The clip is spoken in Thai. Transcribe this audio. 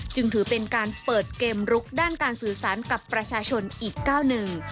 จึงถือเป็นการเปิดเกมลุกด้านการสื่อสารกับประชาชนอีกก้าวหนึ่ง